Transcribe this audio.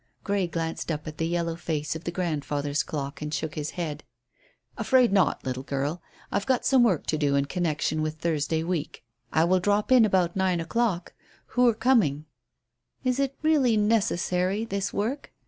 Grey glanced up at the yellow face of the grandfather's clock and shook his head. "Afraid not, little girl. I've got some work to do in connection with Thursday week. I will drop in about nine o'clock. Who're coming?" "Is it really necessary, this work?"